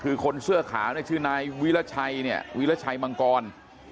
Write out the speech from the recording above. คือคนเสื้อขาวเนี่ยชื่อนายวิราชัยเนี่ยวิราชัยมังกร